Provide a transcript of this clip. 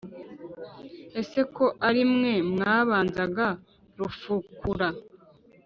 ese ko ari mwe mwabanzaga rufukura